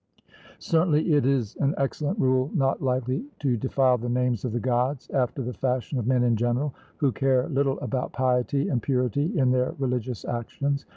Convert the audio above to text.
Certainly, it is an excellent rule not lightly to defile the names of the Gods, after the fashion of men in general, who care little about piety and purity in their religious actions.